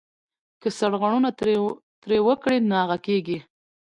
که سرغړونه ترې وکړې ناغه کېږې .